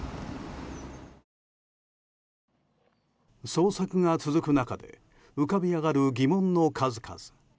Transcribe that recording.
捜索が続く中で浮かび上がる疑問の数々。